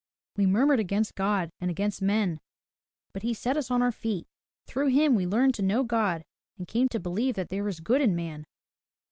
We murmured against God and against men. But he set us on our feet. Through him we learned to know God, and came to believe that there is good in man.